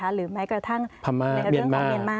หรือแม้กระทั่งพม่าในเรื่องของเมียนมา